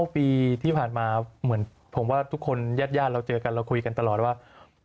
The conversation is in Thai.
ปีที่ผ่านมาเหมือนผมว่าทุกคนญาติเราเจอกันเราคุยกันตลอดว่า